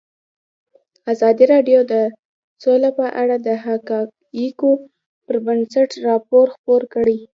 ازادي راډیو د سوله په اړه د حقایقو پر بنسټ راپور خپور کړی.